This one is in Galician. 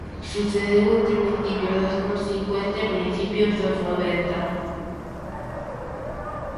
Sucedeu entre principios dos anos cincuenta e principios dos noventa.